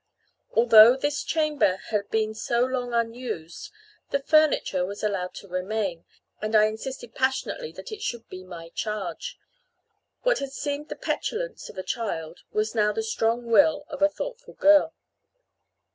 Although this chamber had been so long unused, the furniture was allowed to remain; and I insisted passionately that it should be my charge. What had seemed the petulance of a child was now the strong will of a thoughtful girl.